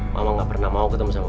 mama gak pernah mau ketemu sama